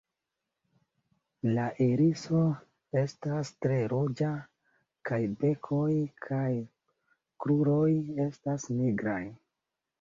La iriso estas tre ruĝa kaj bekoj kaj kruroj estas nigraj.